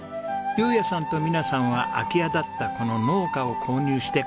雄也さんと美奈さんは空き家だったこの農家を購入して暮らしています。